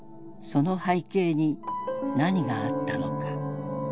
その背景に何があったのか。